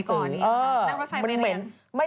ด้วยก่อนอย่างนนี่